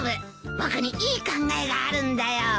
僕にいい考えがあるんだよ。